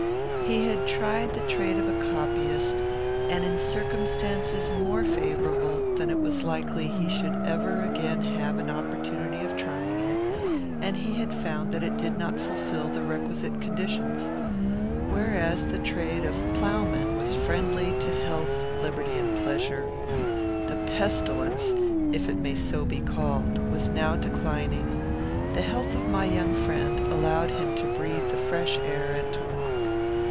He had tried the trade of a copyist, and in circumstances more favourable than it was likely he should ever again have an opportunity of trying it, and he had found that it did not fulfil the requisite conditions. Whereas the trade of ploughman was friendly to health, liberty, and pleasure. The pestilence, if it may so be called, was now declining. The health of my young friend allowed him to breathe the fresh air and to walk.